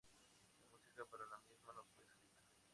La música para la misa no fue escrita.